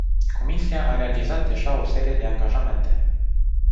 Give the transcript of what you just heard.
Comisia a realizat deja o serie de angajamente.